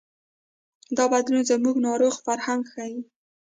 دا بدلون زموږ ناروغ فرهنګ ښيي.